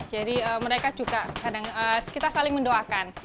jadi mereka juga kadang kita saling mendoakan